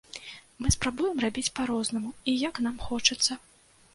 Мы спрабуем рабіць па-рознаму і як нам хочацца.